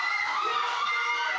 やったー！